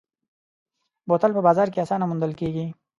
بوتل په بازار کې اسانه موندل کېږي.